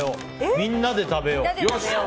みんなで食べよう。